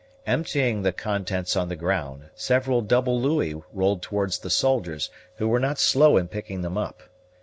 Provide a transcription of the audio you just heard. Emptying the contents on the ground, several double louis rolled towards the soldiers, who were not slow in picking them up.